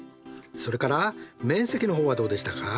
それから面積の方はどうでしたか？